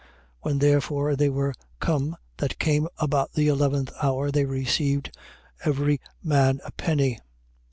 20:9. When therefore they were come that came about the eleventh hour, they received every man a penny.